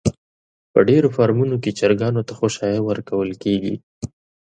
په ډېرو فارمونو کې چرگانو ته خؤشايه ورکول کېږي.